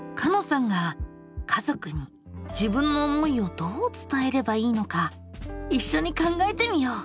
さんが家族に自分の思いをどう伝えればいいのか一緒に考えてみよう。